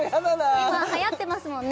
今はやってますもんね